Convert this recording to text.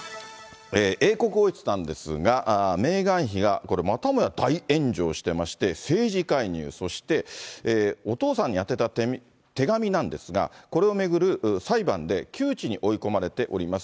英国王室なんですが、メーガン妃が、これ、またもや大炎上してまして、政治介入、そしてお父さんに宛てた手紙なんですが、これを巡る裁判で、窮地に追い込まれております。